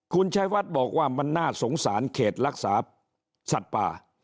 คุณชัยวัดบอกว่ามันน่าสงสารเขตรักษาสัตว์ป่า